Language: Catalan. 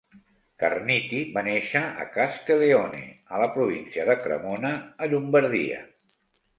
Carniti va néixer a Castelleone, a la província de Cremona, a Llombardia.